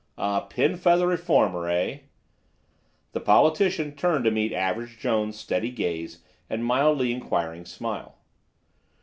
"A pin feather reformer, eh?" The politician turned to meet Average Jones' steady gaze and mildly inquiring smile.